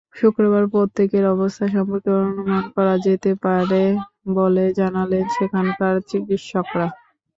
শুক্রবার প্রত্যেকের অবস্থা সম্পর্কে অনুমান করা যেতে পারে বলে জানালেন সেখানকার চিকিৎসকরা।